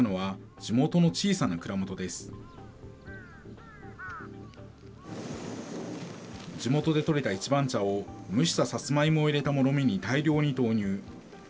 地元で取れた一番茶を蒸したサツマイモを入れたもろみに大量に投入。